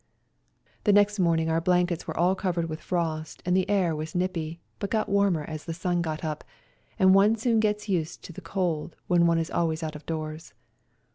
The next morning our blankets were all covered with frost and the air was nippy, but got warmer as the sun got up, and one soon gets used to the cold when one is always out of doors.